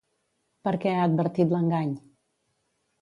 Per què ha advertit l'engany?